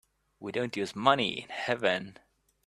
We don't use money in heaven.